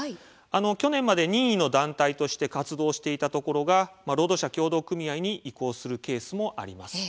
去年まで任意団体として活動していたところが労働者協同組合に移行するケースもあります。